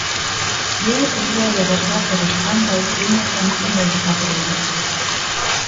Ел, беҙгә ярарға тырышҡандай, көньяҡтан көнбайышҡа боролдо.